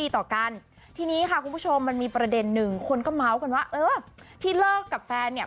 ต่อกันทีนี้ค่ะคุณผู้ชมมันมีประเด็นหนึ่งคนก็เมาส์กันว่าเออที่เลิกกับแฟนเนี่ย